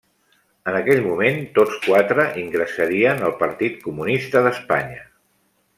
En aquell moment tots quatre ingressarien al Partit Comunista d'Espanya.